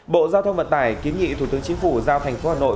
bộ giao thông vận tải kiến nghị thủ tướng chính phủ giao thành phố hà nội